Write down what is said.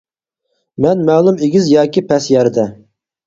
مەن مەلۇم ئېگىز ياكى پەس يەردە.